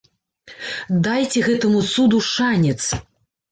Дайце гэтаму цуду шанец!